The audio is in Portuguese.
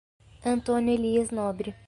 Antônio Elias Nobre